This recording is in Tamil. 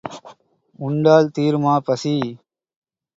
உண்டால் தீருமா பசி?